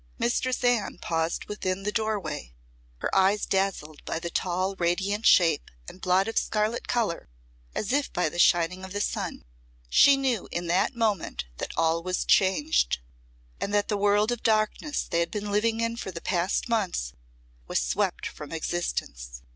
Mistress Anne paused within the doorway, her eyes dazzled by the tall radiant shape and blot of scarlet colour as if by the shining of the sun. She knew in that moment that all was changed, and that the world of darkness they had been living in for the past months was swept from existence.